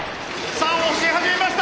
さあ押し始めました！